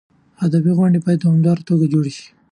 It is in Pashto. ادبي غونډې باید په دوامداره توګه جوړې شي.